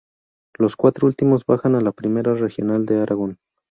Los cuatro últimos bajan a la Primera Regional de Aragón.